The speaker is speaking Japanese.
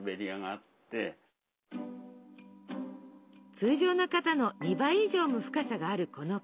通常の型の２倍以上も深さがあるこの型。